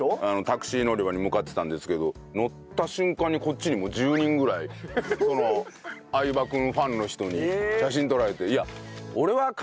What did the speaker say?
タクシー乗り場に向かってたんですけど乗った瞬間にこっちに１０人ぐらい相葉君ファンの人に写真撮られて。